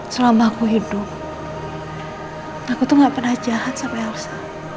selama aku hidup aku tuh gak pernah jahat sampai elsa